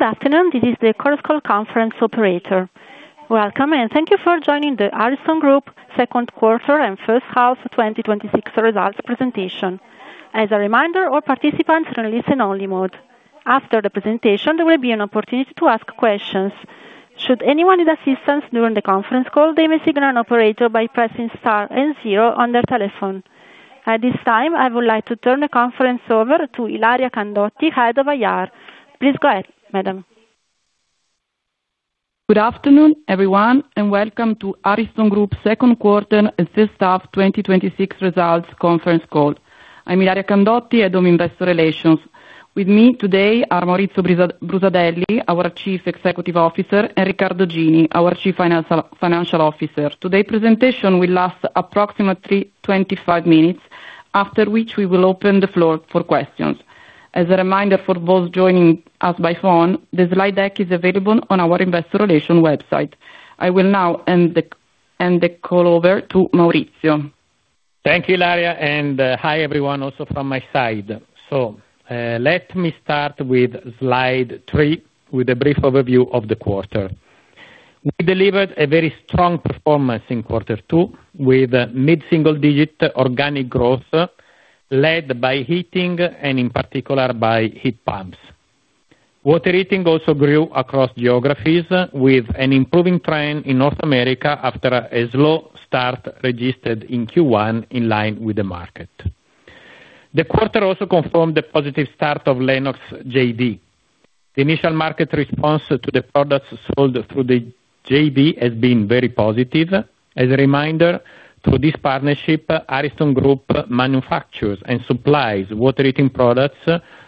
Good afternoon. This is the Chorus Call conference operator. Welcome, and thank you for joining the Ariston Group second quarter and first half 2026 results presentation. As a reminder, all participants are in listen-only mode. After the presentation, there will be an opportunity to ask questions. Should anyone need assistance during the conference call, they may signal an operator by pressing star and zero on their telephone. At this time, I would like to turn the conference over to Ilaria Candotti, Head of Investor Relations. Please go ahead, madam. Good afternoon, everyone, and welcome to Ariston Group second quarter and first half 2026 results conference call. I'm Ilaria Candotti, Head of Investor Relations. With me today are Maurizio Brusadelli, our Chief Executive Officer, and Riccardo Gini, our Chief Financial Officer. Today's presentation will last approximately 25 minutes, after which we will open the floor for questions. As a reminder for those joining us by phone, the slide deck is available on our investor relations website. I will now hand the call over to Maurizio. Thank you, Ilaria, and hi, everyone, also from my side. Let me start with slide three, with a brief overview of the quarter. We delivered a very strong performance in quarter two, with mid-single digit organic growth led by heating, and in particular, by heat pumps. Water heating also grew across geographies, with an improving trend in North America after a slow start registered in Q1, in line with the market. The quarter also confirmed the positive start of Lennox JV. The initial market response to the products sold through the JV has been very positive. As a reminder, through this partnership, Ariston Group manufactures and supplies water heating products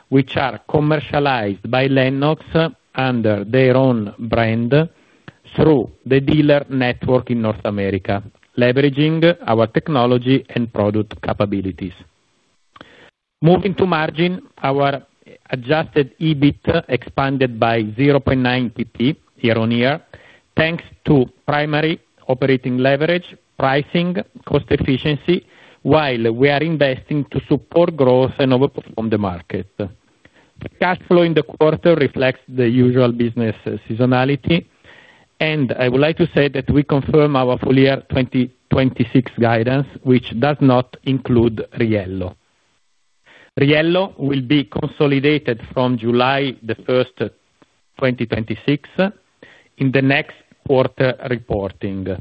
which are commercialized by Lennox under their own brand through the dealer network in North America, leveraging our technology and product capabilities. Moving to margin. Our adjusted EBITDA expanded by 0.9 percentage points year-on-year, thanks to primary operating leverage, pricing, cost efficiency, while we are investing to support growth and overperform the market. The cash flow in the quarter reflects the usual business seasonality, and I would like to say that we confirm our full year 2026 guidance, which does not include Riello. Riello will be consolidated from July the 1st, 2026, in the next quarter reporting.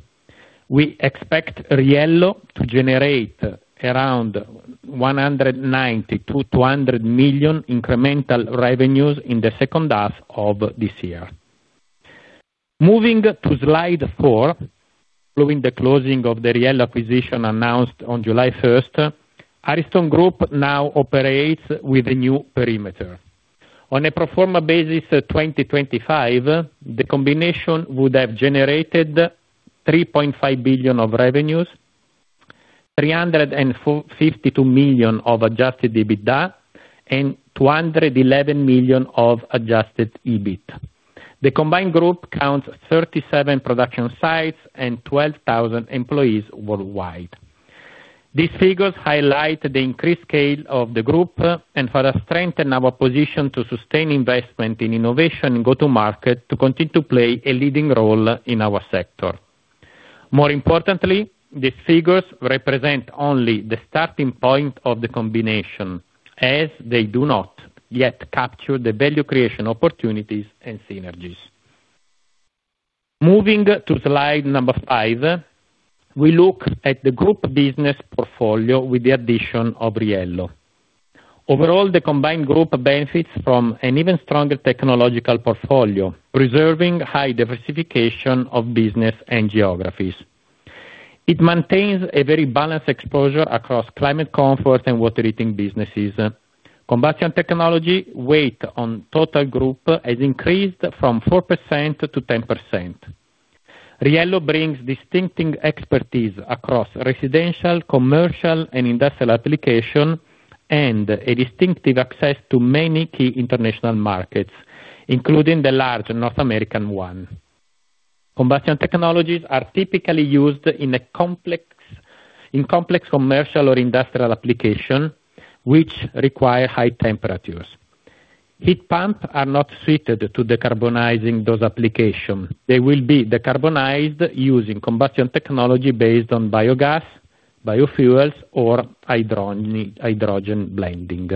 We expect Riello to generate around 190 million to 200 million incremental revenues in the second half of this year. Moving to slide four. Following the closing of the Riello acquisition announced on July 1st, Ariston Group now operates with a new perimeter. On a pro forma basis, 2025, the combination would have generated 3.5 billion of revenues, 352 million of adjusted EBITDA, and 211 million of adjusted EBIT. The combined group counts 37 production sites and 12,000 employees worldwide. These figures highlight the increased scale of the group and further strengthen our position to sustain investment in innovation and go-to-market to continue to play a leading role in our sector. More importantly, these figures represent only the starting point of the combination, as they do not yet capture the value creation opportunities and synergies. Moving to slide five, we look at the group business portfolio with the addition of Riello. Overall, the combined group benefits from an even stronger technological portfolio, preserving high diversification of business and geographies. It maintains a very balanced exposure across Thermal Comfort and water heating businesses. Combustion Technologies weight on total group has increased from 4% to 10%. Riello brings distinctive expertise across residential, commercial, and industrial application, and a distinctive access to many key international markets, including the large North American one. Combustion Technologies are typically used in complex commercial or industrial application, which require high temperatures. Heat pumps are not suited to decarbonizing those application. They will be decarbonized using Combustion Technologies based on biogas, biofuels, or hydrogen blending.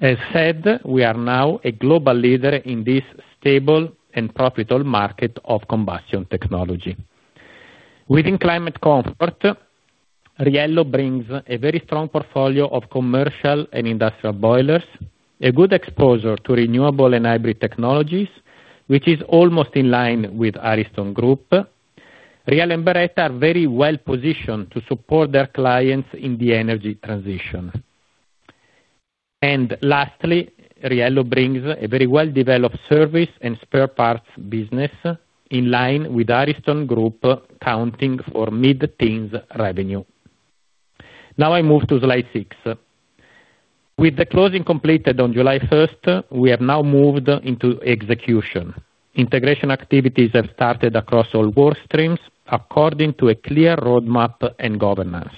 As said, we are now a global leader in this stable and profitable market of Combustion Technologies. Within Thermal Comfort, Riello brings a very strong portfolio of commercial and industrial boilers, a good exposure to renewable and hybrid technologies, which is almost in line with Ariston Group. Riello and Beretta are very well positioned to support their clients in the energy transition. Lastly, Riello brings a very well-developed service and spare parts business, in line with Ariston Group, accounting for mid-teens revenue. Now I move to slide six. With the closing completed on July 1st, we have now moved into execution. Integration activities have started across all work streams according to a clear roadmap and governance.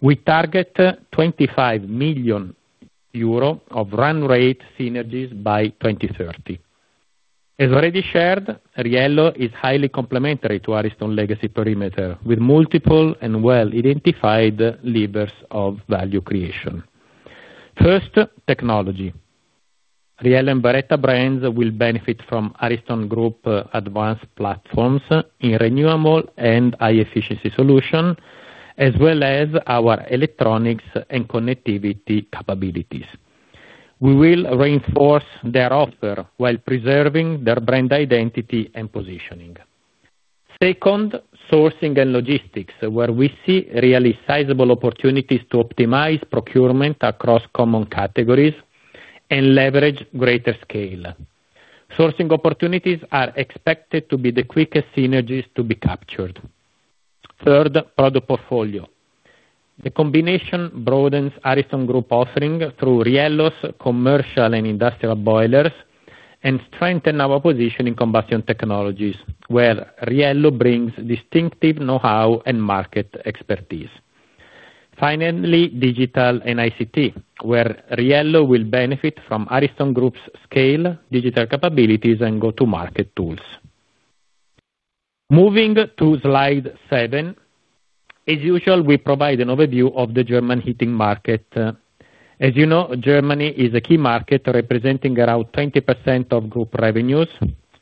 We target 25 million euro of run rate synergies by 2030. As already shared, Riello is highly complementary to Ariston legacy perimeter, with multiple and well-identified levers of value creation. First, technology. Riello and Beretta brands will benefit from Ariston Group advanced platforms in renewable and high-efficiency solutions, as well as our electronics and connectivity capabilities. We will reinforce their offer while preserving their brand identity and positioning. Second, sourcing and logistics, where we see really sizable opportunities to optimize procurement across common categories and leverage greater scale. Sourcing opportunities are expected to be the quickest synergies to be captured. Third, product portfolio. The combination broadens Ariston Group offering through Riello's commercial and industrial boilers and strengthen our position in Combustion Technologies, where Riello brings distinctive know-how and market expertise. Finally, digital and ICT, where Riello will benefit from Ariston Group's scale, digital capabilities, and go-to-market tools. Moving to slide seven. As usual, we provide an overview of the German heating market. As you know, Germany is a key market representing around 20% of group revenues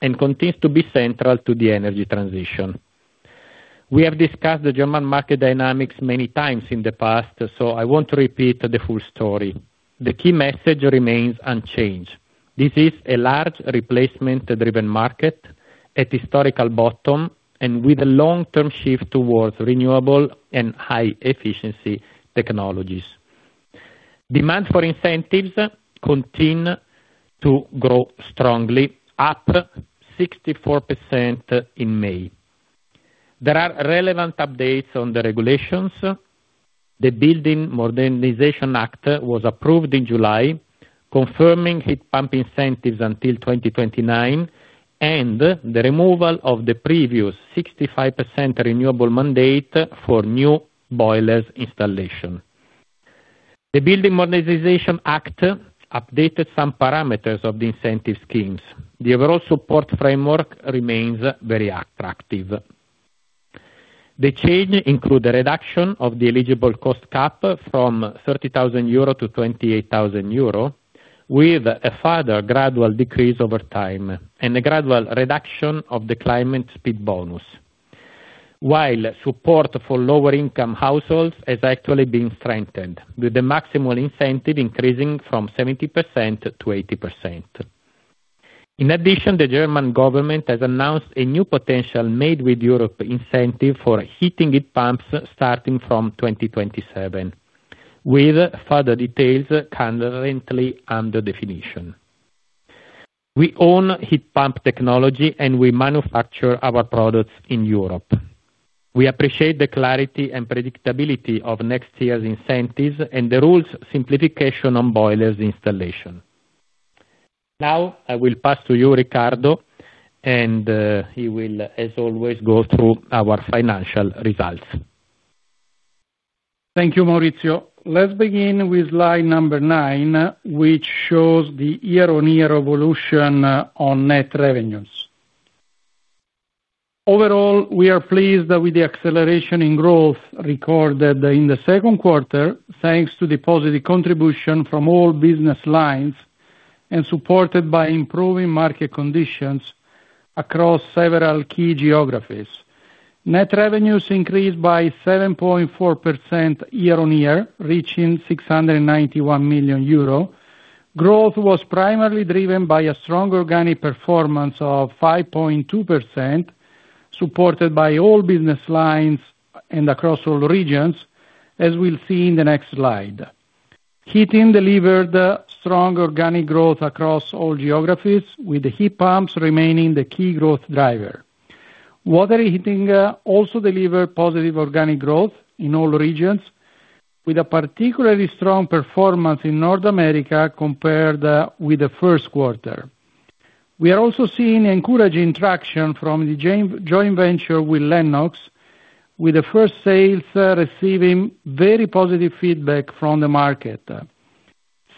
and continues to be central to the energy transition. We have discussed the German market dynamics many times in the past, so I won't repeat the full story. The key message remains unchanged. This is a large replacement-driven market at historical bottom and with a long-term shift towards renewable and high-efficiency technologies. Demand for incentives continue to grow strongly, up 64% in May. There are relevant updates on the regulations. The Building Modernization Act was approved in July, confirming heat pump incentives until 2029, the removal of the previous 65% renewable mandate for new boilers installation. The Building Modernization Act updated some parameters of the incentive schemes. The overall support framework remains very attractive. The change include a reduction of the eligible cost cap from 30,000 euro to 28,000 euro, with a further gradual decrease over time and a gradual reduction of the Climate Speed Bonus, while support for lower income households has actually been strengthened, with the maximal incentive increasing from 70% to 80%. In addition, the German government has announced a new potential Made in Europe incentive for heating heat pumps starting from 2027, with further details currently under definition. We own heat pump technology, and we manufacture our products in Europe. We appreciate the clarity and predictability of next year's incentives and the rules simplification on boilers installation. I will pass to you, Riccardo, and he will, as always, go through our financial results. Thank you, Maurizio. Let's begin with slide number nine, which shows the year-on-year evolution on net revenues. Overall, we are pleased with the acceleration in growth recorded in the second quarter, thanks to the positive contribution from all business lines and supported by improving market conditions across several key geographies. Net revenues increased by 7.4% year-on-year, reaching 691 million euro. Growth was primarily driven by a strong organic performance of 5.2%, supported by all business lines and across all regions, as we'll see in the next slide. Heating delivered strong organic growth across all geographies, with the heat pumps remaining the key growth driver. Water Heating also delivered positive organic growth in all regions, with a particularly strong performance in North America compared with the first quarter. We are also seeing encouraging traction from the joint venture with Lennox, with the first sales receiving very positive feedback from the market.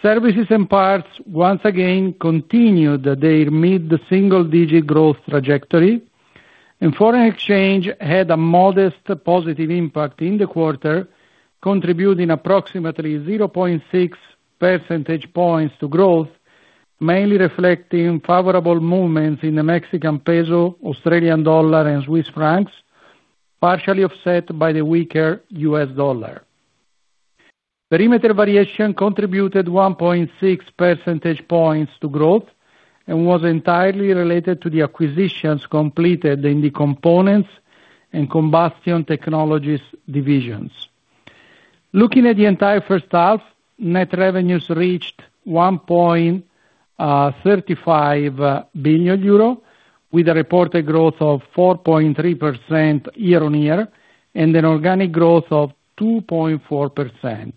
Services and Parts, once again, continued their mid-single digit growth trajectory. Foreign exchange had a modest positive impact in the quarter, contributing approximately 0.6 percentage points to growth, mainly reflecting favorable movements in the Mexican peso, Australian dollar, and Swiss francs, partially offset by the weaker US dollar. Perimeter variation contributed 1.6 percentage points to growth and was entirely related to the acquisitions completed in the components and Combustion Technologies divisions. Looking at the entire first half, net revenues reached 1.35 billion euro, with a reported growth of 4.3% year-on-year and an organic growth of 2.4%.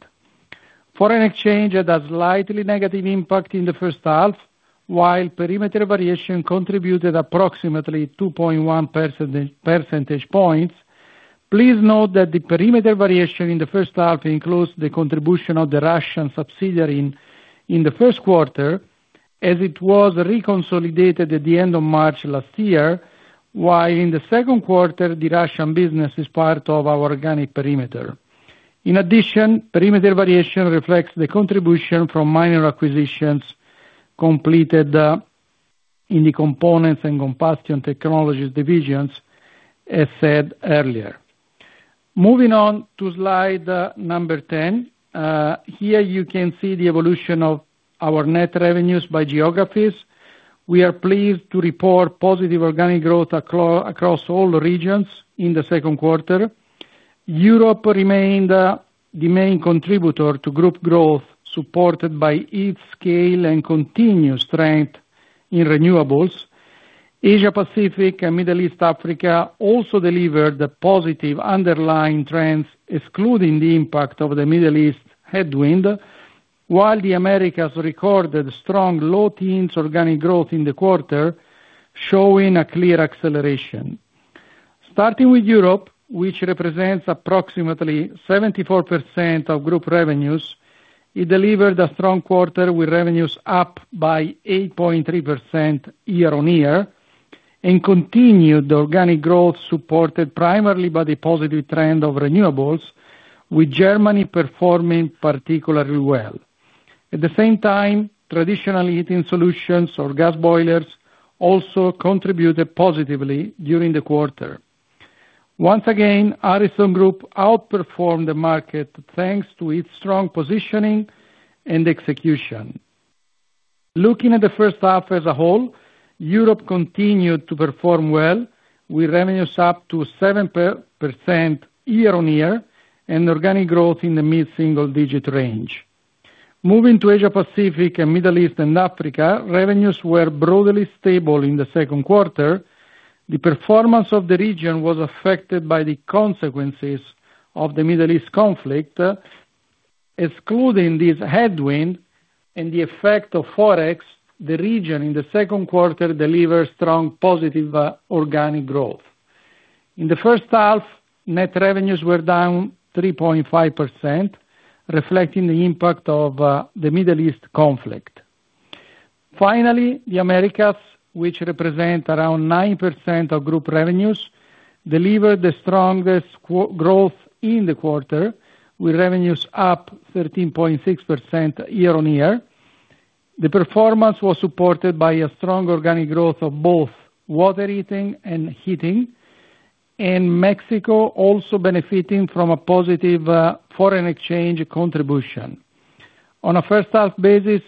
Foreign exchange had a slightly negative impact in the first half. Perimeter variation contributed approximately 2.1 percentage points. Please note that the perimeter variation in the first half includes the contribution of the Russian subsidiary in the first quarter as it was reconsolidated at the end of March last year, while in the second quarter, the Russian business is part of our organic perimeter. In addition, perimeter variation reflects the contribution from minor acquisitions completed in the Components and Combustion Technologies divisions, as said earlier. Moving on to slide 10, here you can see the evolution of our net revenues by geographies. We are pleased to report positive organic growth across all the regions in the second quarter. Europe remained the main contributor to group growth, supported by its scale and continuous strength in renewables. Asia-Pacific and Middle East, Africa also delivered positive underlying trends, excluding the impact of the Middle East headwind, while the Americas recorded strong low teens organic growth in the quarter, showing a clear acceleration. Starting with Europe, which represents approximately 74% of group revenues, it delivered a strong quarter with revenues up by 8.3% year-on-year and continued organic growth supported primarily by the positive trend of renewables, with Germany performing particularly well. At the same time, traditional heating solutions or gas boilers also contributed positively during the quarter. Once again, Ariston Group outperformed the market thanks to its strong positioning and execution. Looking at the first half as a whole, Europe continued to perform well, with revenues up to 7% year-on-year and organic growth in the mid-single digit range. Moving to Asia-Pacific and Middle East and Africa, revenues were broadly stable in the second quarter. The performance of the region was affected by the consequences of the Middle East conflict. Excluding this headwind and the effect of forex, the region in the second quarter delivered strong positive organic growth. In the first half, net revenues were down 3.5%, reflecting the impact of the Middle East conflict. Finally, the Americas, which represent around 9% of group revenues, delivered the strongest growth in the quarter, with revenues up 13.6% year-on-year. The performance was supported by a strong organic growth of both water heating and heating, and Mexico also benefiting from a positive foreign exchange contribution. On a first half basis,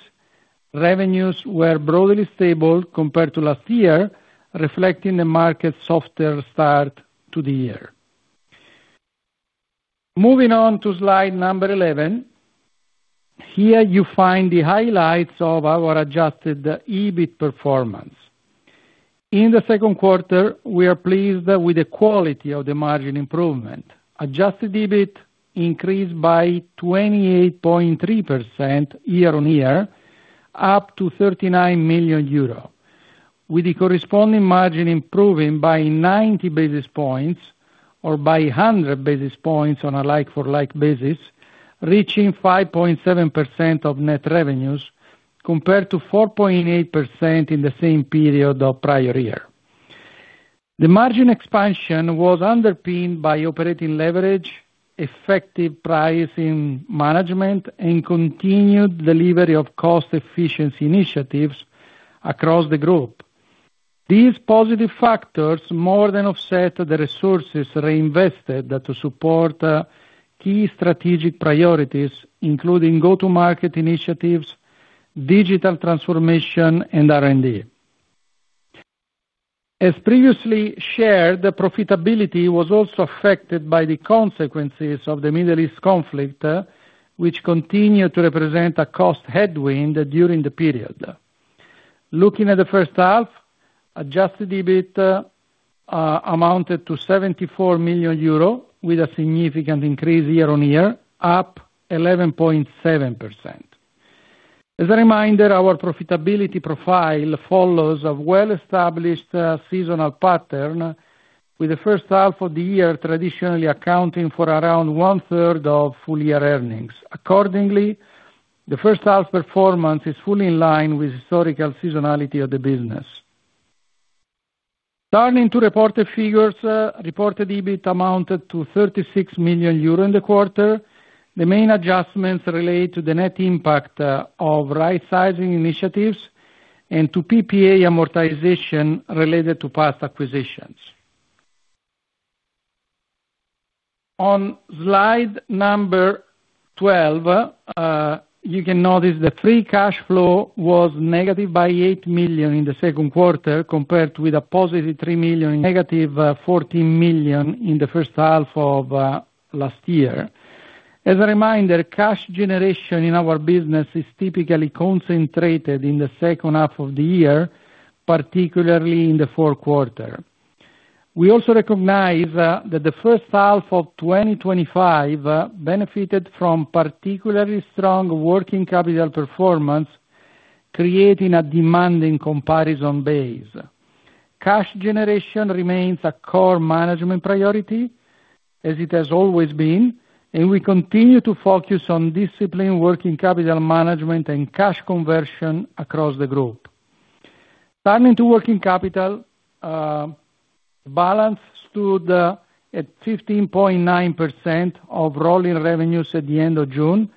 revenues were broadly stable compared to last year, reflecting the market softer start to the year. Moving on to slide 11. Here you find the highlights of our adjusted EBIT performance. In the second quarter, we are pleased with the quality of the margin improvement. Adjusted EBIT increased by 28.3% year-on-year, up to 39 million euro, with the corresponding margin improving by 90 basis points or by 100 basis points on a like-for-like basis, reaching 5.7% of net revenues compared to 4.8% in the same period of prior year. The margin expansion was underpinned by operating leverage, effective pricing management, and continued delivery of cost efficiency initiatives across the group. These positive factors more than offset the resources reinvested to support key strategic priorities, including go-to-market initiatives, digital transformation, and R&D. As previously shared, the profitability was also affected by the consequences of the Middle East conflict, which continued to represent a cost headwind during the period. Looking at the first half, adjusted EBIT amounted to 74 million euro, with a significant increase year-on-year, up 11.7%. As a reminder, our profitability profile follows a well-established seasonal pattern, with the first half of the year traditionally accounting for around one-third of full-year earnings. Accordingly, the first half performance is fully in line with historical seasonality of the business. Turning to reported figures, reported EBIT amounted to 36 million euro in the quarter. The main adjustments relate to the net impact of rightsizing initiatives and to PPA amortization related to past acquisitions. On slide number 12, you can notice the free cash flow was negative by 8 million in the second quarter compared with a positive 3 million, negative 14 million in the first half of last year. As a reminder, cash generation in our business is typically concentrated in the second half of the year, particularly in the fourth quarter. We also recognize that the first half of 2025 benefited from particularly strong working capital performance, creating a demanding comparison base. Cash generation remains a core management priority, as it has always been, we continue to focus on discipline, working capital management, and cash conversion across the group. Turning to working capital, balance stood at 15.9% of rolling revenues at the end of June,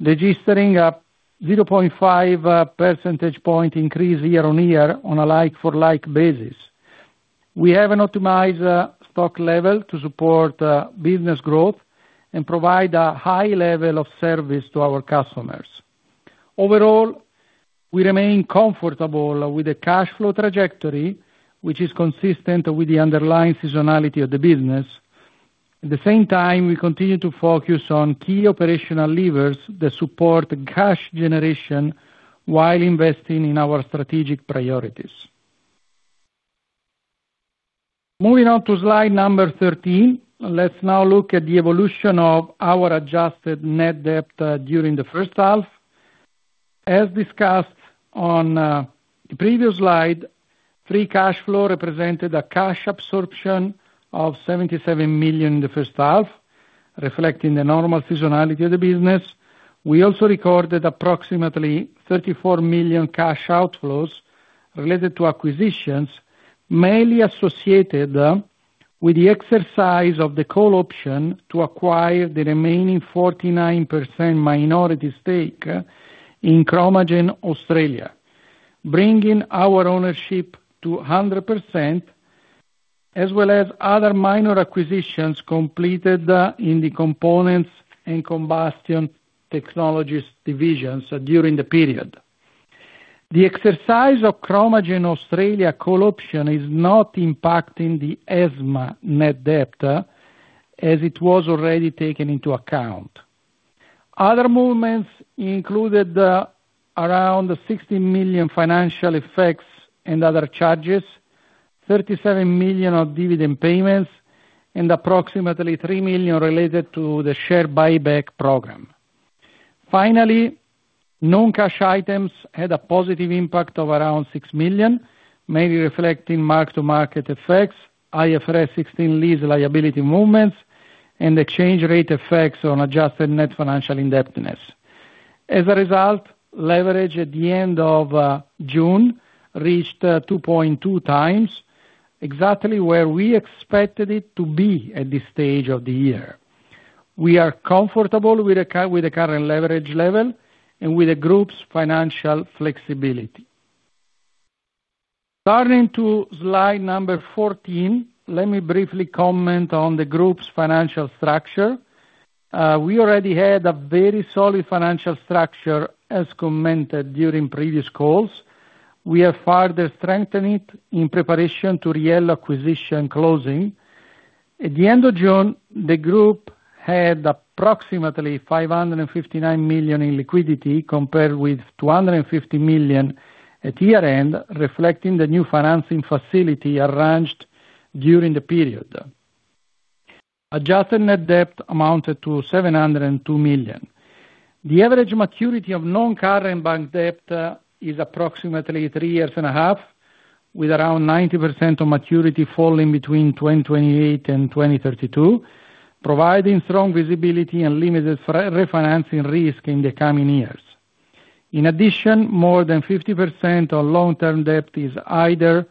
registering a 0.5 percentage point increase year-on-year on a like for like basis. We have an optimized stock level to support business growth and provide a high level of service to our customers. Overall, we remain comfortable with the cash flow trajectory, which is consistent with the underlying seasonality of the business. At the same time, we continue to focus on key operational levers that support cash generation while investing in our strategic priorities. Moving on to slide number 13, let's now look at the evolution of our adjusted net debt during the first half. As discussed on the previous slide, free cash flow represented a cash absorption of 77 million in the first half, reflecting the normal seasonality of the business. We also recorded approximately 34 million cash outflows related to acquisitions, mainly associated with the exercise of the call option to acquire the remaining 49% minority stake in Chromagen Australia, bringing our ownership to 100%, as well as other minor acquisitions completed in the components and Combustion Technologies divisions during the period. The exercise of Chromagen Australia call option is not impacting the ESMA net debt as it was already taken into account. Other movements included around 16 million financial effects and other charges, 37 million of dividend payments, and approximately 3 million related to the share buyback program. Non-cash items had a positive impact of around 6 million, mainly reflecting mark to market effects, IFRS 16 lease liability movements, and exchange rate effects on adjusted net financial indebtedness. As a result, leverage at the end of June reached 2.2x, exactly where we expected it to be at this stage of the year. We are comfortable with the current leverage level and with the group's financial flexibility. Turning to slide number 14, let me briefly comment on the group's financial structure. We already had a very solid financial structure, as commented during previous calls. We have further strengthened it in preparation to the Riello acquisition closing. At the end of June, the group had approximately 559 million in liquidity compared with 250 million at year-end, reflecting the new financing facility arranged during the period. Adjusted net debt amounted to 702 million. The average maturity of non-current bank debt is approximately three years and a half, with around 90% of maturity falling between 2028 and 2032, providing strong visibility and limited refinancing risk in the coming years. In addition, more than 50% of long-term debt is either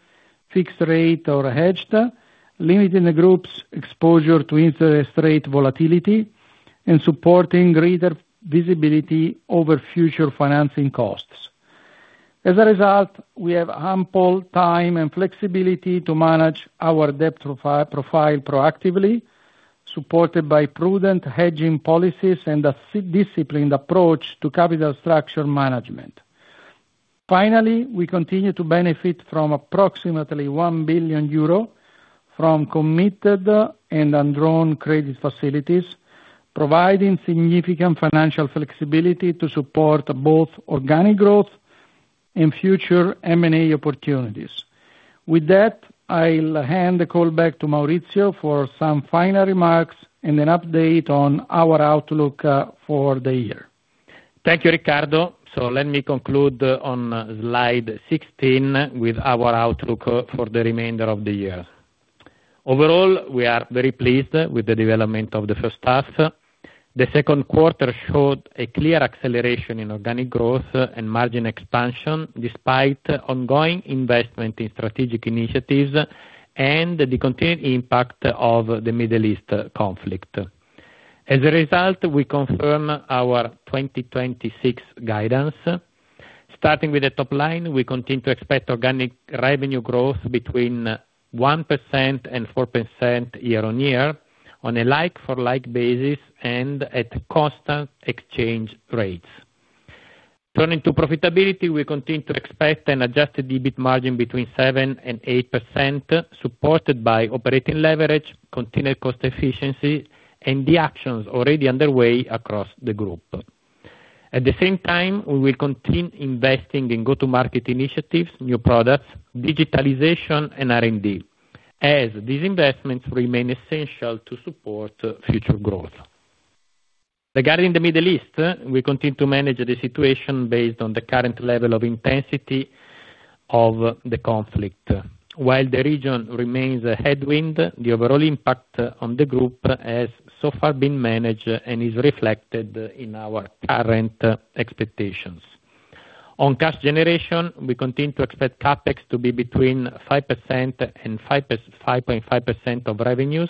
fixed rate or hedged, limiting the group's exposure to interest rate volatility and supporting greater visibility over future financing costs. As a result, we have ample time and flexibility to manage our debt profile proactively, supported by prudent hedging policies and a disciplined approach to capital structure management. Finally, we continue to benefit from approximately 1 billion euro from committed and undrawn credit facilities, providing significant financial flexibility to support both organic growth and future M&A opportunities. With that, I will hand the call back to Maurizio for some final remarks and an update on our outlook for the year. Thank you, Riccardo. Let me conclude on slide 16 with our outlook for the remainder of the year. Overall, we are very pleased with the development of the first half. The second quarter showed a clear acceleration in organic growth and margin expansion, despite ongoing investment in strategic initiatives and the continued impact of the Middle East conflict. As a result, we confirm our 2026 guidance. Starting with the top line, we continue to expect organic revenue growth between 1% and 4% year-on-year on a like-for-like basis and at constant exchange rates. Turning to profitability, we continue to expect an adjusted EBIT margin between 7% and 8%, supported by operating leverage, continued cost efficiency, and the actions already underway across the group. At the same time, we will continue investing in go-to-market initiatives, new products, digitalization, and R&D, as these investments remain essential to support future growth. Regarding the Middle East, we continue to manage the situation based on the current level of intensity of the conflict. While the region remains a headwind, the overall impact on the group has so far been managed and is reflected in our current expectations. On cash generation, we continue to expect CapEx to be between 5% and 5.5% of revenues,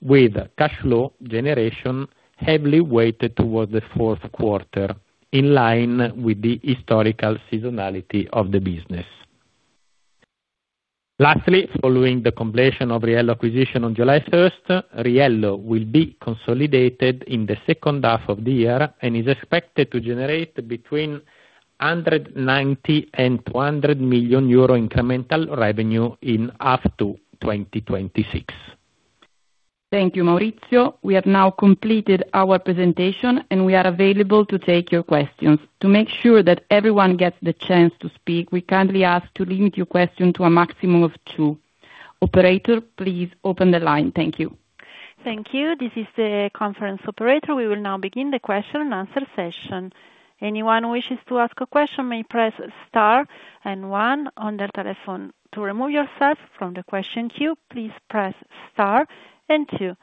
with cash flow generation heavily weighted towards the fourth quarter, in line with the historical seasonality of the business. Lastly, following the completion of Riello acquisition on July 1st, Riello will be consolidated in the second half of the year and is expected to generate between 190 million and 200 million euro incremental revenue in H2 2026. Thank you, Maurizio. We have now completed our presentation, and we are available to take your questions. To make sure that everyone gets the chance to speak, we kindly ask to limit your question to a maximum of two. Operator, please open the line. Thank you. Thank you. This is the conference operator. We will now begin the question and answer session. Anyone who wishes to ask a question may press star and one on their telephone. To remove yourself from the question queue, please press star and two.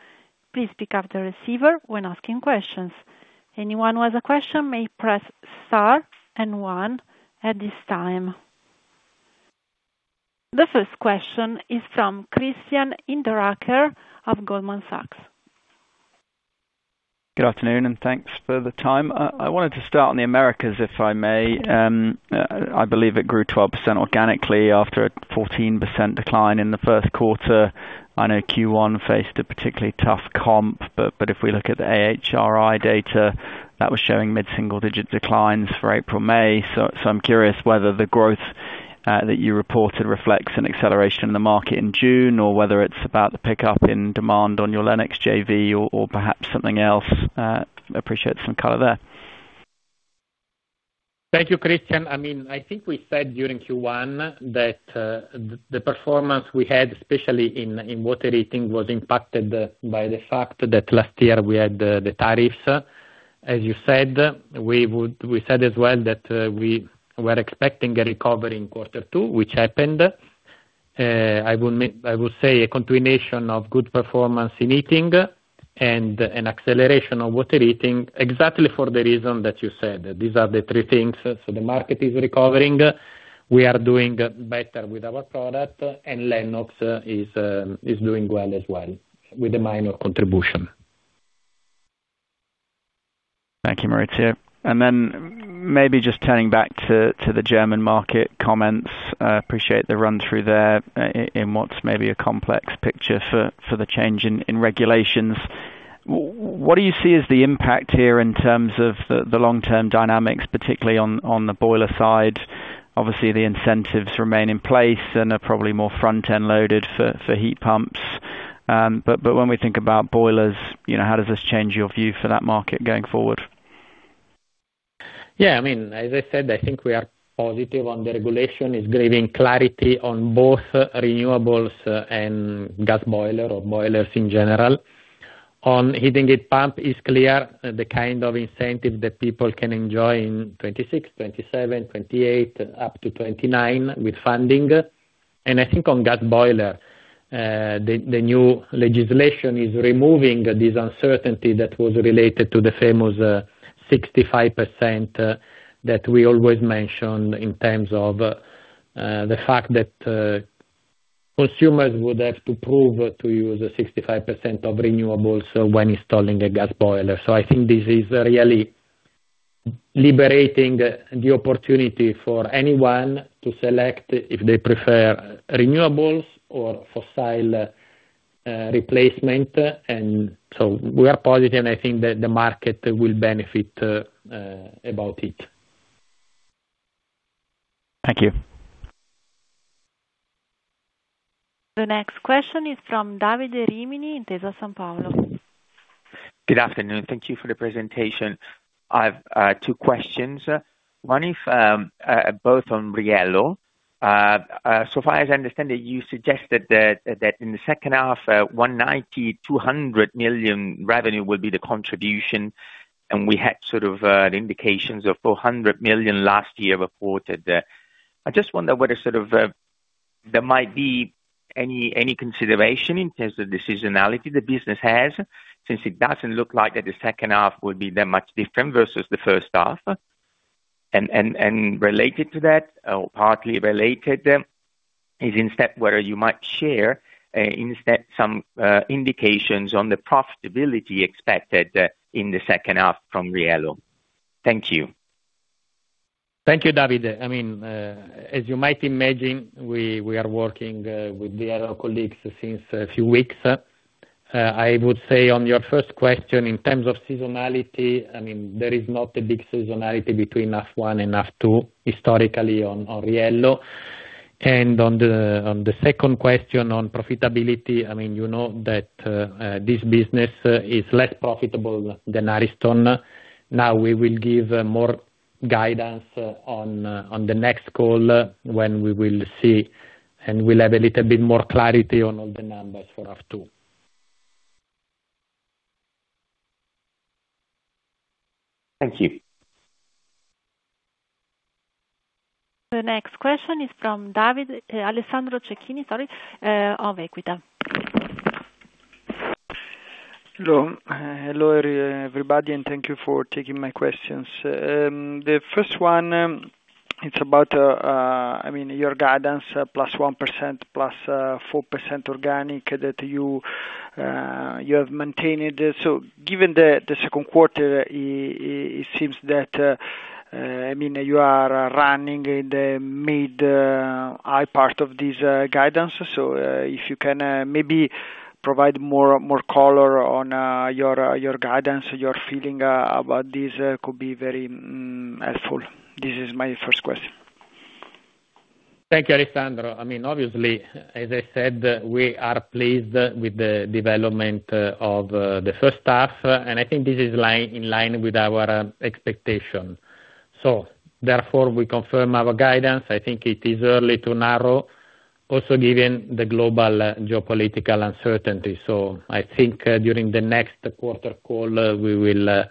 Please pick up the receiver when asking questions. Anyone with a question may press star and one at this time. The first question is from Christian Hinderaker of Goldman Sachs. Good afternoon. Thanks for the time. I wanted to start on the Americas, if I may. I believe it grew 12% organically after a 14% decline in the first quarter. I know Q1 faced a particularly tough comp, but if we look at the AHRI data, that was showing mid-single-digit declines for April, May. I'm curious whether the growth that you reported reflects an acceleration in the market in June, or whether it's about the pickup in demand on your Lennox JV or perhaps something else. Appreciate some color there. Thank you, Christian. I think we said during Q1 that the performance we had, especially in water heating, was impacted by the fact that last year we had the tariffs, as you said. We said as well that we were expecting a recovery in quarter two, which happened. I will say a continuation of good performance in heating and an acceleration of water heating, exactly for the reason that you said. These are the three things. The market is recovering. We are doing better with our product, and Lennox is doing well as well, with a minor contribution. Thank you, Maurizio. Maybe just turning back to the German market comments. Appreciate the run through there, in what's maybe a complex picture for the change in regulations. What do you see as the impact here in terms of the long-term dynamics, particularly on the boiler side? Obviously, the incentives remain in place and are probably more front-end loaded for heat pumps. When we think about boilers, how does this change your view for that market going forward? As I said, I think we are positive on the regulation. It's giving clarity on both renewables and gas boiler or boilers in general. On heating heat pump is clear, the kind of incentive that people can enjoy in 2026, 2027, 2028, up to 2029 with funding. I think on gas boiler, the new legislation is removing this uncertainty that was related to the famous 65% that we always mention in terms of the fact that consumers would have to prove to you the 65% of renewables when installing a gas boiler. I think this is really liberating the opportunity for anyone to select if they prefer renewables or fossil replacement. We are positive, and I think that the market will benefit about it. Thank you. The next question is from Davide Rimini, Intesa Sanpaolo. Good afternoon. Thank you for the presentation. I've two questions. Both on Riello. So far as I understand it, you suggested that in the second half, 190 million-200 million revenue will be the contribution, and we had sort of indications of 400 million last year reported. I just wonder whether there might be any consideration in terms of the seasonality the business has, since it doesn't look like that the second half would be that much different versus the first half. Related to that, or partly related, is instead whether you might share, instead, some indications on the profitability expected in the second half from Riello. Thank you. Thank you, Davide. As you might imagine, we are working with the Riello colleagues since a few weeks. I would say on your first question, in terms of seasonality, there is not a big seasonality between H1 and H2 historically on Riello. On the second question on profitability, you know that this business is less profitable than Ariston. Now, we will give more guidance on the next call when we will see, and we'll have a little bit more clarity on all the numbers for H2. Thank you. The next question is from Alessandro Cecchini of Equita. Hello, everybody, and thank you for taking my questions. The first one, it's about your guidance, +1%, +4% organic that you have maintained. Given the second quarter, it seems that you are running in the mid high part of this guidance. If you can maybe provide more color on your guidance, your feeling about this could be very helpful. This is my first question. Thank you, Alessandro. Obviously, as I said, we are pleased with the development of the first half, and I think this is in line with our expectation. Therefore, we confirm our guidance. I think it is early to narrow, also given the global geopolitical uncertainty. I think during the next quarter call, we will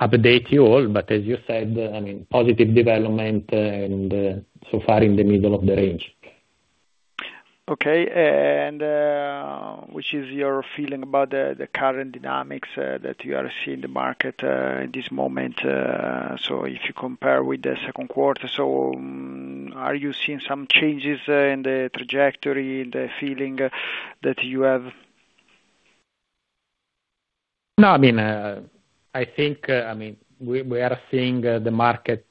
update you all, but as you said, positive development and so far in the middle of the range. Okay. Which is your feeling about the current dynamics that you are seeing in the market at this moment? If you compare with the second quarter, are you seeing some changes in the trajectory, the feeling that you have? No, I think we are seeing the market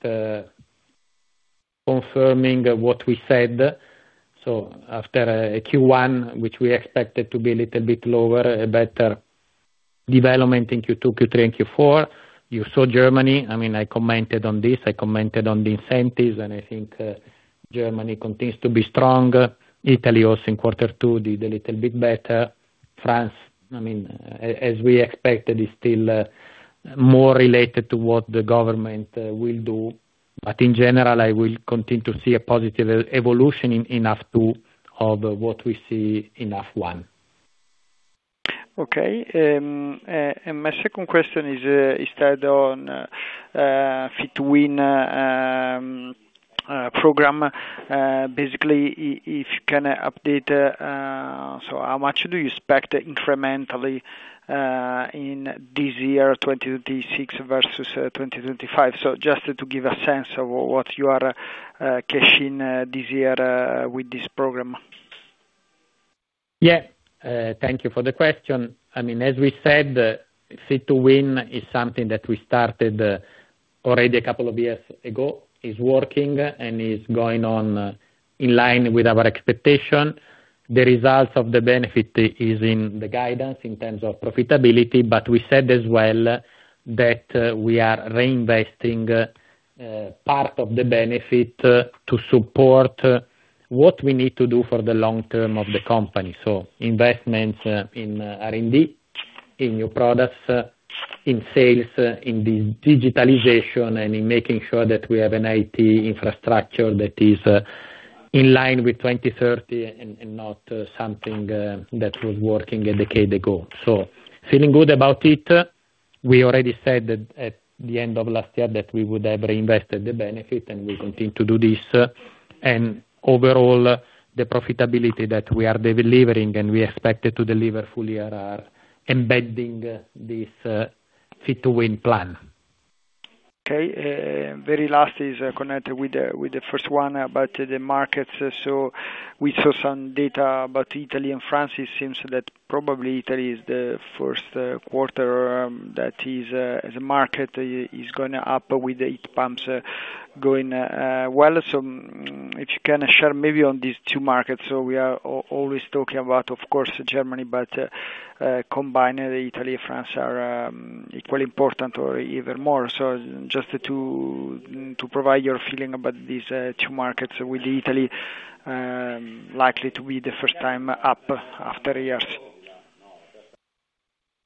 confirming what we said. After a Q1, which we expected to be a little bit lower, a better development in Q2, Q3, and Q4. You saw Germany. I commented on this, I commented on the incentives, and I think Germany continues to be strong. Italy also in quarter two did a little bit better. France, as we expected, is still more related to what the government will do. In general, I will continue to see a positive evolution in H2 of what we see in H1. Okay. My second question is, instead on Fit to Win program. Basically, if you can update, how much do you expect incrementally in this year, 2026 versus 2025? Just to give a sense of what you are cashing this year with this program. Yeah. Thank you for the question. As we said, Fit to Win is something that we started already a couple of years ago. It's working and is going on in line with our expectation. The results of the benefit is in the guidance in terms of profitability, but we said as well that we are reinvesting part of the benefit to support what we need to do for the long term of the company. Investments in R&D, in new products, in sales, in the digitalization, and in making sure that we have an IT infrastructure that is in line with 2030 and not something that was working a decade ago. Feeling good about it. We already said that at the end of last year that we would have reinvested the benefit and we continue to do this. Overall, the profitability that we are delivering and we expected to deliver full year are embedding this Fit to Win plan. Okay. Very last is connected with the first one about the markets. We saw some data about Italy and France. It seems that probably Italy is the first quarter that the market is going up with the heat pumps going well. If you can share maybe on these two markets. We are always talking about, of course, Germany, but combined, Italy and France are equally important or even more. Just to provide your feeling about these two markets, with Italy likely to be the first time up after years.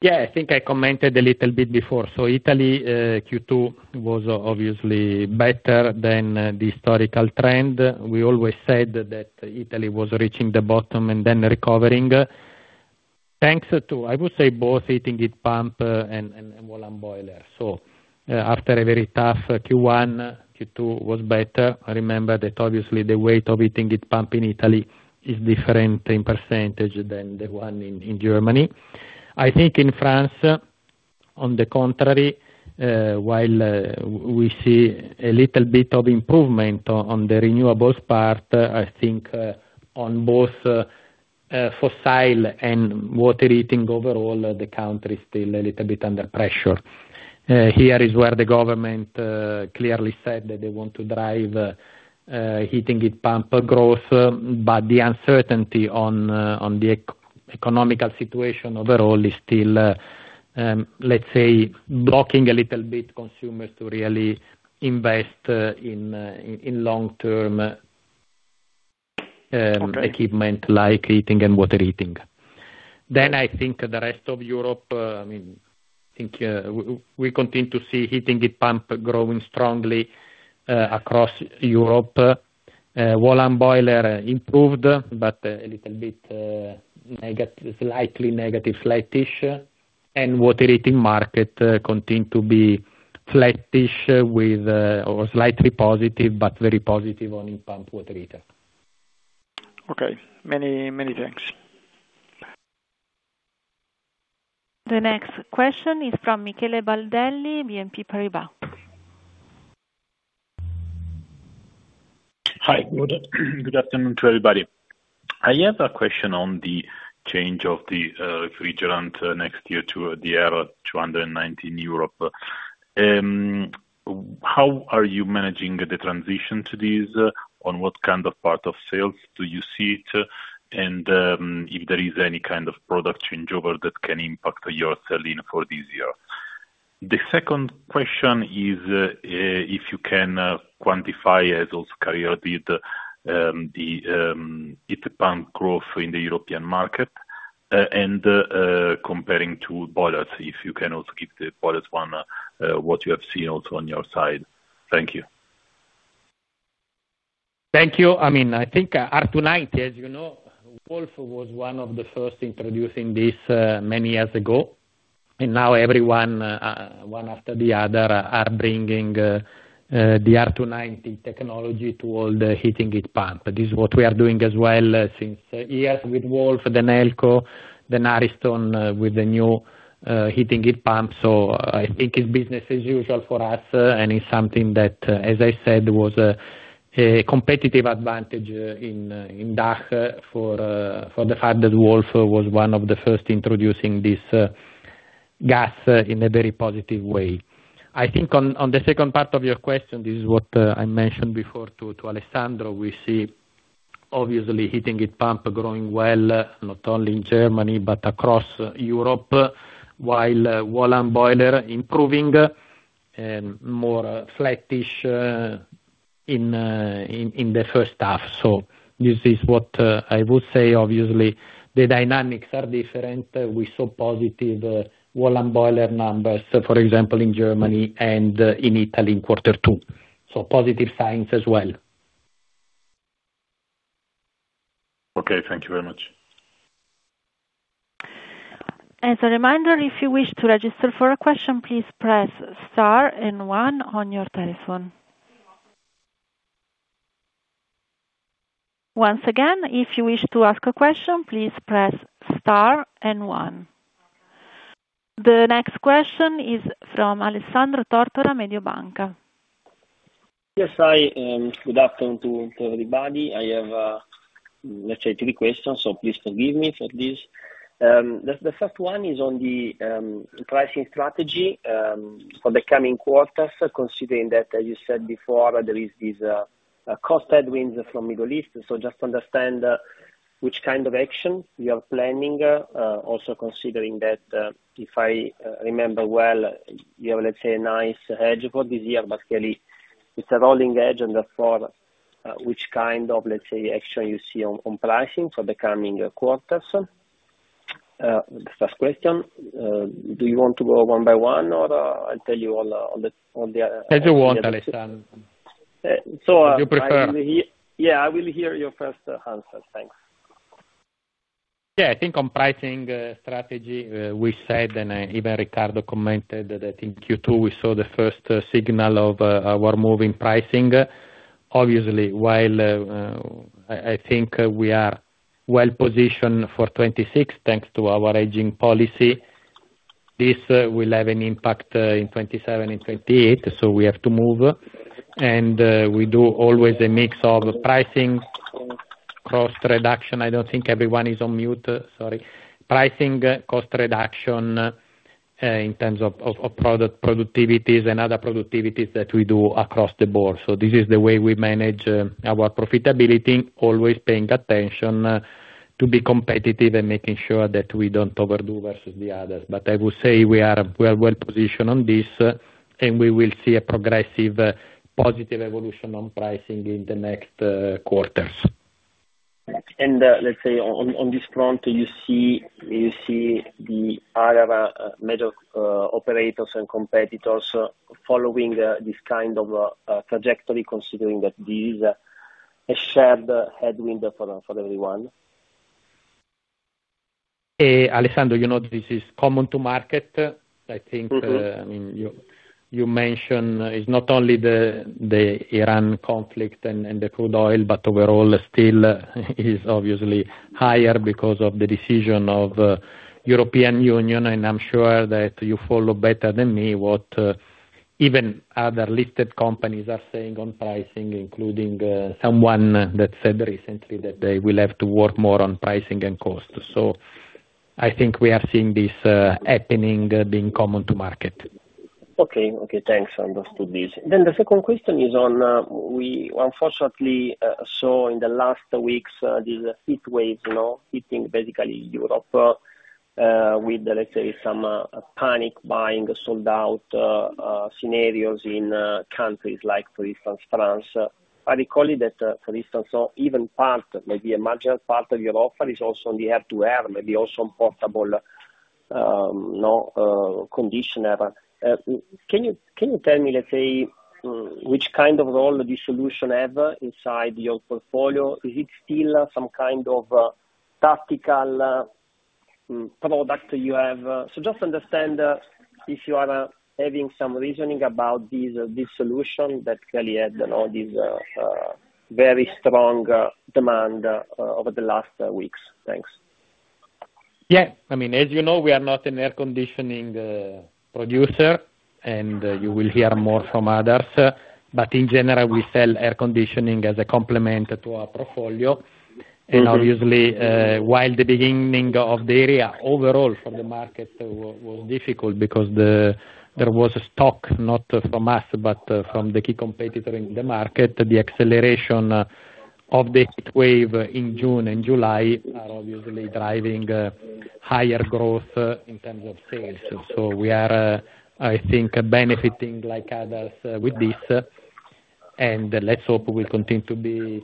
Yeah, I think I commented a little bit before. Italy, Q2 was obviously better than the historical trend. We always said that Italy was reaching the bottom and then recovering. Thanks to, I would say, both heating heat pump and wall-hung boiler. After a very tough Q1, Q2 was better. Remember that obviously the weight of heating heat pump in Italy is different in percentage than the one in Germany. I think in France, on the contrary, while we see a little bit of improvement on the renewables part, I think on both fossil and water heating overall, the country is still a little bit under pressure. Here is where the government clearly said that they want to drive heating heat pump growth, but the uncertainty on the economical situation overall is still Let's say, blocking a little bit consumers to really invest in. Okay equipment like heating and water heating. I think the rest of Europe, we continue to see heat pump growing strongly across Europe. Wall hung boiler improved, but a little bit slightly negative, slight issue. Water heating market continue to be slight issue with, or slightly positive, but very positive on heat pump water heater. Okay. Many thanks. The next question is from Michele Baldelli, BNP Paribas. Hi. Good afternoon to everybody. I have a question on the change of the refrigerant next year to the R290 in Europe. How are you managing the transition to this? On what kind of part of sales do you see it? If there is any kind of product changeover that can impact your selling for this year. The second question is, if you can quantify, as also Carrier did, the heat pump growth in the European market, comparing to boilers, if you can also give the boilers one, what you have seen also on your side. Thank you. Thank you. I think R290, as you know, Wolf was one of the first introducing this many years ago. Now everyone, one after the other, are bringing the R290 technology to all the heating heat pump. This is what we are doing as well since years with Wolf, then Elco, then Ariston with the new heating heat pump. I think it's business as usual for us, and it's something that, as I said, was a competitive advantage in DACH for the fact that Wolf was one of the first introducing this gas in a very positive way. I think on the second part of your question, this is what I mentioned before to Alessandro, we see obviously heating heat pump growing well, not only in Germany but across Europe, while wall hung boiler improving, more flattish in the first half. This is what I would say. Obviously, the dynamics are different. We saw positive wall hung boiler numbers, for example, in Germany and in Italy in quarter two. Positive signs as well. Okay. Thank you very much. As a reminder, if you wish to register for a question, please press star and one on your telephone. Once again, if you wish to ask a question, please press star and one. The next question is from Alessandro Tortora, Mediobanca. Yes. Hi, good afternoon to everybody. I have, let's say, three questions, please forgive me for this. The first one is on the pricing strategy for the coming quarters, considering that, as you said before, there is this cost headwinds from Middle East. Just to understand which kind of action you are planning, also considering that, if I remember well, you have, let's say, a nice hedge for this year, but clearly it's a rolling hedge, therefore, which kind of, let's say, action you see on pricing for the coming quarters? The first question. Do you want to go one by one, or I tell you all the- As you want, Alessandro. Do you prefer- Yeah, I will hear your first answer. Thanks. Yeah, I think on pricing strategy, we said, and even Riccardo commented that I think Q2, we saw the first signal of our moving pricing. Obviously, while I think we are well-positioned for 2026, thanks to our hedging policy, this will have an impact in 2027 and 2028, we have to move. We do always a mix of pricing, cost reduction. I don't think everyone is on mute, sorry. Pricing, cost reduction, in terms of product productivities and other productivities that we do across the board. This is the way we manage our profitability, always paying attention to be competitive and making sure that we don't overdo versus the others. I would say we are well-positioned on this, and we will see a progressive, positive evolution on pricing in the next quarters. Let's say on this front, you see the other major operators and competitors following this kind of trajectory, considering that this is a shared headwind for everyone? Alessandro, you know this is common to market. You mentioned it's not only the Iran conflict and the crude oil, but overall still is obviously higher because of the decision of European Union. I'm sure that you follow better than me what even other listed companies are saying on pricing, including someone that said recently that they will have to work more on pricing and cost. I think we are seeing this happening, being common to market. Okay, thanks. Understood this. The second question is on, we unfortunately saw in the last weeks this heatwave, hitting basically Europe with, let's say, some panic buying, sold out scenarios in countries like, for instance, France. I recall it that, for instance, or even part, maybe a marginal part of your offer is also on the air-to-air, maybe also on portable conditioner. Can you tell me, let's say, which kind of role this solution have inside your portfolio? Is it still some kind of tactical product you have? Just understand if you are having some reasoning about this solution that clearly had these very strong demand over the last weeks. Thanks. Yeah. As you know, we are not an air conditioning producer, and you will hear more from others. In general, we sell air conditioning as a complement to our portfolio. Obviously, while the beginning of the year overall for the market was difficult because there was a stock, not from us, but from the key competitor in the market. The acceleration of the heatwave in June and July are obviously driving higher growth in terms of sales. We are, I think, benefiting like others with this. Let's hope will continue to be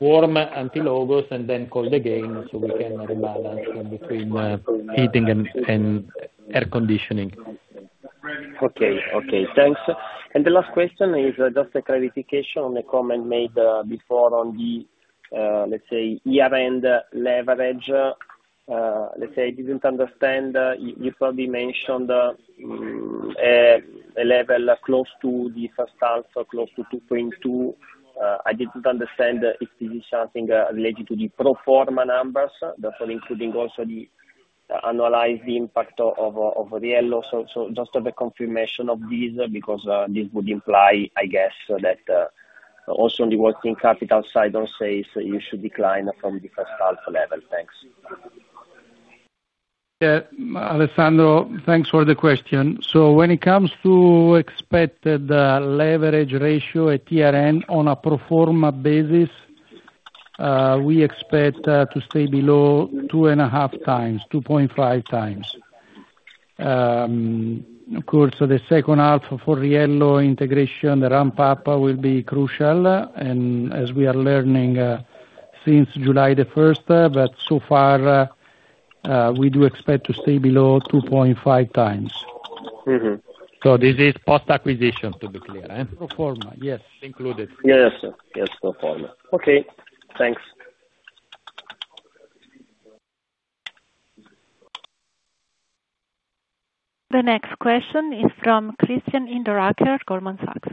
warm until August and then cold again, so we can rebalance between heating and air conditioning. Okay. Thanks. The last question is just a clarification on a comment made before on the, let's say, year-end leverage. I didn't understand, you probably mentioned a level close to the first half, so close to 2.2. I didn't understand if this is something related to the pro forma numbers, therefore including also the annualized impact of Riello. Just have a confirmation of this, because this would imply, I guess that, also on the working capital side on sales, you should decline from the first half level. Thanks. Yeah, Alessandro, thanks for the question. When it comes to expected leverage ratio at year-end on a pro forma basis, we expect to stay below 2.5x, 2.5x. Of course, the second half for Riello integration, the ramp-up will be crucial, and as we are learning, since July the 1st, but so far, we do expect to stay below 2.5x. This is post-acquisition, to be clear, and pro forma, yes, included. Yes. Pro forma. Okay, thanks. The next question is from Christian Hinderaker, Goldman Sachs.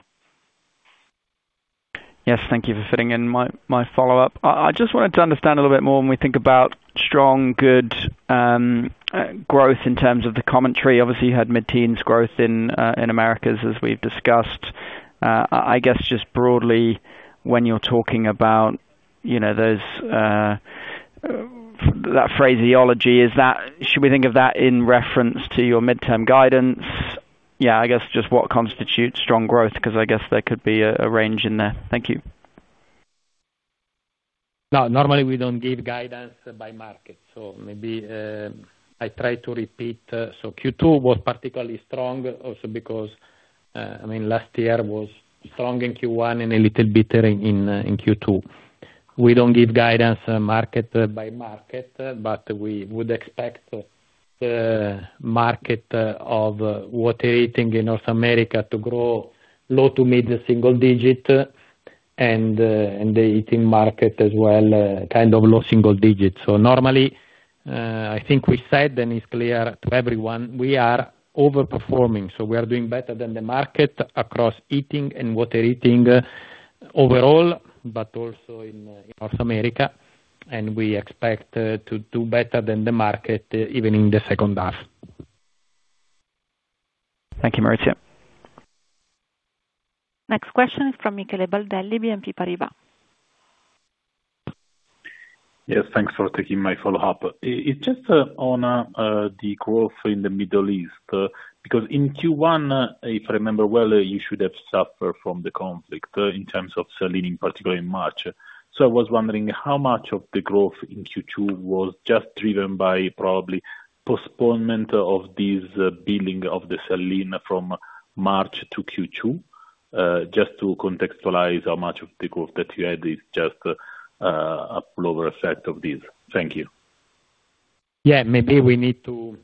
Yes, thank you for fitting in my follow-up. I just wanted to understand a little bit more when we think about strong good growth in terms of the commentary. Obviously, you had mid-teens growth in Americas, as we've discussed. I guess, just broadly when you're talking about that phraseology, should we think of that in reference to your midterm guidance? I guess just what constitutes strong growth, because I guess there could be a range in there. Thank you. No, normally we don't give guidance by market. Maybe, I try to repeat. Q2 was particularly strong also because, last year was strong in Q1 and a little bit in Q2. We don't give guidance market by market, but we would expect the market of water heating in North America to grow low to mid-single digit. And the heating market as well, kind of low single digits. Normally, I think we said, and it's clear to everyone, we are overperforming. We are doing better than the market across heating and water heating overall, but also in North America. And we expect to do better than the market, even in the second half. Thank you, Maurizio. Next question is from Michele Baldelli, BNP Paribas. Yes, thanks for taking my follow-up. It's just on the growth in the Middle East. In Q1, if I remember well, you should have suffered from the conflict in terms of selling, particularly in March. I was wondering how much of the growth in Q2 was just driven by probably postponement of this billing of the selling from March to Q2? Just to contextualize how much of the growth that you had is just a flow-over effect of this. Thank you. Maybe we need to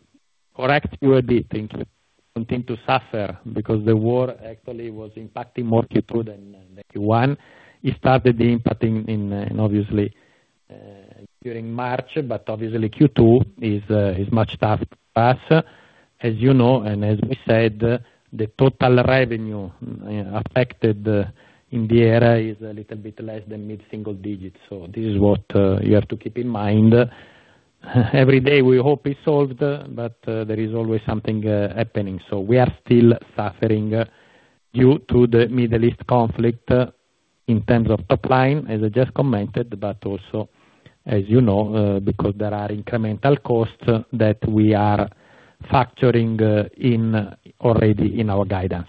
correct you a bit. Thank you. Continue to suffer because the war actually was impacting more Q2 than Q1. It started impacting in, obviously, during March, but obviously Q2 is much tougher for us. As you know, and as we said, the total revenue affected in the area is a little bit less than mid-single digits. This is what you have to keep in mind. Every day, we hope it's solved, but there is always something happening. We are still suffering due to the Middle East conflict in terms of top line, as I just commented, but also, as you know, because there are incremental costs that we are factoring already in our guidance.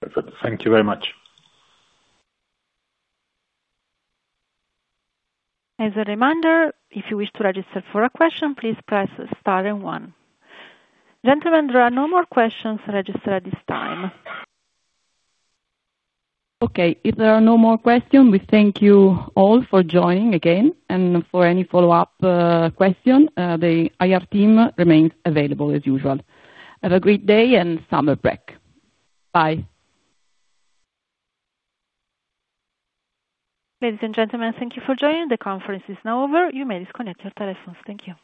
Perfect. Thank you very much. As a reminder, if you wish to register for a question, please press star and one. Gentlemen, there are no more questions registered at this time. Okay. If there are no more questions, we thank you all for joining again. For any follow-up questions, the IR team remains available as usual. Have a great day and summer break. Bye. Ladies and gentlemen, thank you for joining. The conference is now over. You may disconnect your telephones. Thank you.